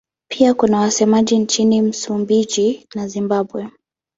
Pia kuna wasemaji nchini Msumbiji na Zimbabwe.